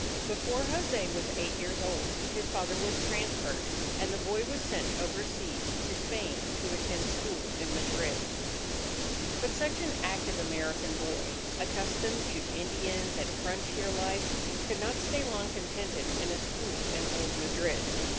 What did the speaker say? Before Jose was eight years old, his father was transferred, and the boy was sent overseas to Spain to attend school in Madrid. But such an active American boy, accustomed to Indians and frontier life, could not stay long contented in a school in old Madrid.